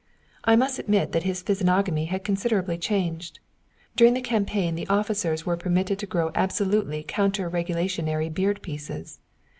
I must admit that his physiognomy had considerably changed. During the campaign the officers were permitted to grow absolutely counter regulationary beard pieces.